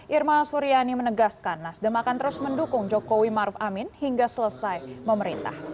irma suryani menegaskan nasdem akan terus mendukung jokowi maruf amin hingga selesai memerintah